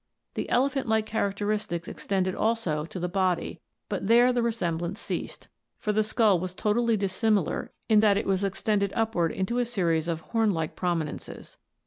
The elephant like characteristics extended also to the body, but there the resemblance ceased, for the skull was totally dissimilar in that it was extended upward into a series of horn like prominences.